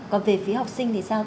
còn về phía học sinh thì sao